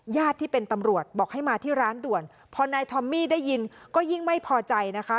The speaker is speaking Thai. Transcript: ที่เป็นตำรวจบอกให้มาที่ร้านด่วนพอนายทอมมี่ได้ยินก็ยิ่งไม่พอใจนะคะ